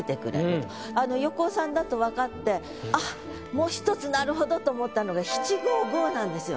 横尾さんだと分かってもう１つなるほどと思ったのが七・五・五なんですよ。